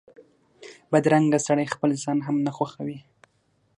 بدرنګه سړی خپل ځان هم نه خوښوي